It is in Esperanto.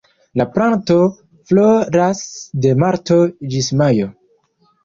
La planto floras de marto ĝis majo.